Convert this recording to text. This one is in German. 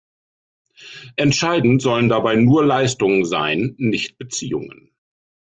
Entscheidend sollen dabei nur Leistungen sein, nicht Beziehungen.